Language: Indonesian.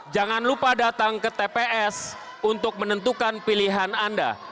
jangan lupa datang ke tps untuk menentukan pilihan anda